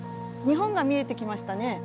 日本が見えてきましたね。